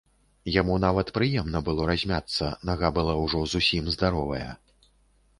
Яму нават прыемна было размяцца, нага была ўжо зусім здаровая.